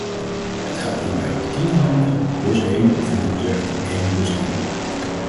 Het gaat hierbij om tien landen plus één, of liever gezegd, één plus tien.